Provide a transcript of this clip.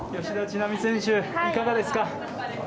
吉田知那美選手、いかがですか。